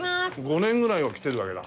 ５年ぐらいは来てるわけだ。